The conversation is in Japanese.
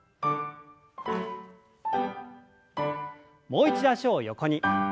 もう一度脚を横に。